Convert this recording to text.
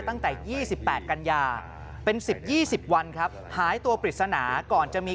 ตั้งแต่๒๘กันยาเป็น๑๐๒๐วันครับหายตัวปริศนาก่อนจะมี